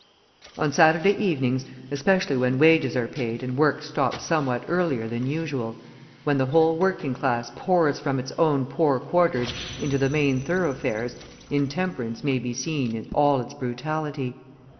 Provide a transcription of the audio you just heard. On Saturday evenings, especially when wages are paid and work stops somewhat earlier than usual, when the whole working class pours from its own poor quarters into the main thoroughfares, intemperance may be seen in all its brutality.